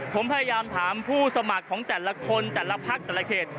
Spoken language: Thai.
ผมพยายามถามผู้สมัครของแต่ละคนแต่ละพักแต่ละเขต